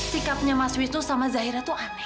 sikapnya mas wisnu sama zahira tuh aneh